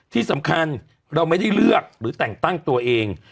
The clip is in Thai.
ที่สำคัญเราไม่ได้เลือกหรือแต่งตั้งตัวเอง